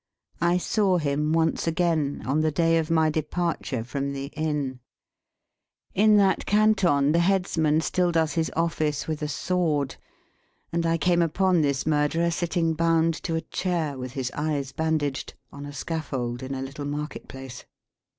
I saw him once again, on the day of my departure from the Inn. In that Canton the headsman still does his office with a sword; and I came upon this murderer sitting bound, to a chair, with his eyes bandaged, on a scaffold in a little market place.